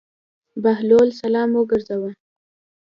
بهلول سلام وګرځاوه.